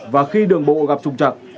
và khi đường bộ gặp trùng trặc